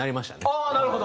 ああなるほど。